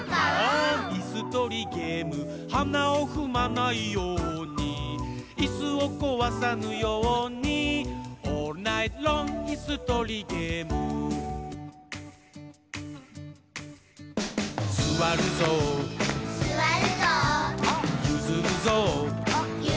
いすとりゲーム」「はなをふまないように」「いすをこわさぬように」「オールナイトロングいすとりゲーム」「すわるぞう」「ゆずるぞう」